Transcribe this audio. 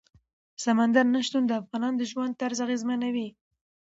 سمندر نه شتون د افغانانو د ژوند طرز اغېزمنوي.